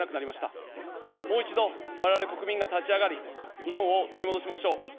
もう一度、我々国民が立ち上がり、日本を取り戻しましょう。